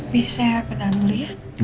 bisa pedang dulu ya